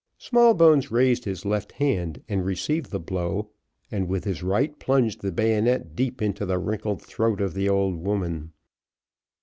Smallbones raised his left arm, and received the blow, and with his right plunged the bayonet deep into the wrinkled throat of the old woman.